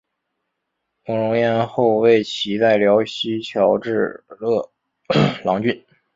慕容廆后为其在辽西侨置乐浪郡。